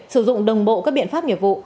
sử dụng đồng bộ các biện pháp nghiệp vụ